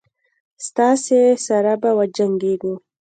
ستاسي سره به وجنګیږو.